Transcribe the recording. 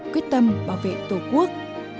quyết tâm bảo vệ tổ quốc